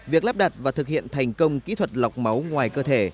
việc lắp đặt và thực hiện thành công kỹ thuật lọc máu ngoài cơ thể